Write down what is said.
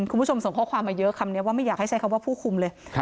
คุณผู้ชมส่งข้อความมาเยอะคำนี้ว่าไม่อยากให้ใช้คำว่าผู้คุมเลย